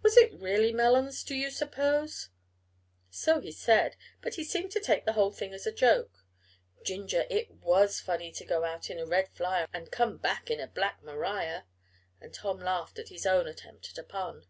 "Was it really melons, do you suppose?" "So he said, but he seemed to take the whole thing as a joke. Ginger! It was funny to go out in a red flyer and come back in a Black Maria," and Tom laughed at his own attempt at a pun.